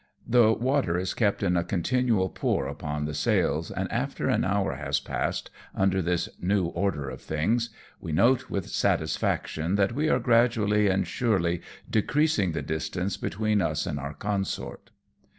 The water is kept in a continual pour upon the sails, and after an hour has passed under this new order of things, we note with satisfaction that we are gradually and surely decreasing the distance between us and our consort.